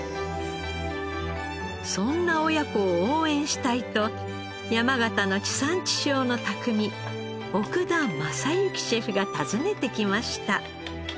そんな親子を応援したいと山形の地産地消の匠奥田政行シェフが訪ねてきました。